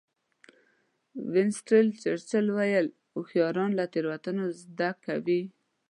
وینسټن چرچل وایي هوښیاران له تېروتنو زده کوي.